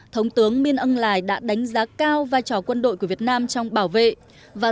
thống tướng minh ân lài đã đánh giá cao vai trò quân đội của việt nam trong bảo vệ và